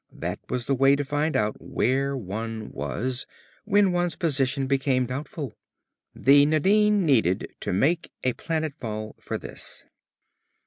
That was the way to find out where one was, when one's position became doubtful. The Nadine needed to make a planet fall for this.